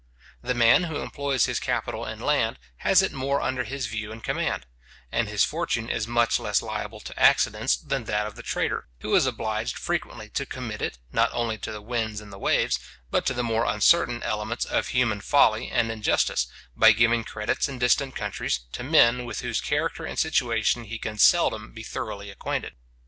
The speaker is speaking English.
The man who employs his capital in land, has it more under his view and command; and his fortune is much less liable to accidents than that of the trader, who is obliged frequently to commit it, not only to the winds and the waves, but to the more uncertain elements of human folly and injustice, by giving great credits, in distant countries, to men with whose character and situation he can seldom be thoroughly acquainted.